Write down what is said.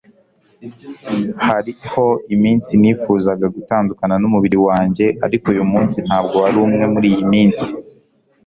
Hariho iminsi nifuzaga gutandukana numubiri wanjye, ariko uyumunsi ntabwo wari umwe muriyi minsi.